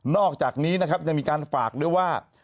อกจากนี้นะครับยังมีการฝากด้วยว่า